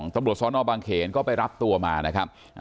ตำรวจสนบางเขนก็ไปรับตัวมานะครับ